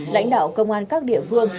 lãnh đạo công an các địa phương